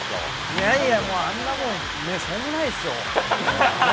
いやいや、あんなもんしょうもないっすよ。